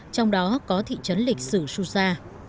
trong đó có thị trấn lịch sử shusha